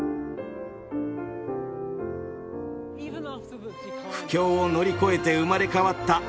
苦境を乗り越えて生まれ変わったニューカッスル。